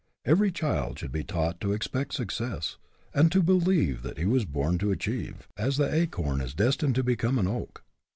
Every child should be taught to expect suc cess, and to believe that he was born to achieve, as the acorn is destined to become an oak.